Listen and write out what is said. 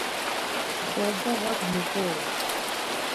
Zerdavak mğoru.